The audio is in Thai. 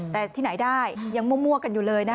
แต่ที่ไหนได้ยังมั่วกันอยู่เลยนะ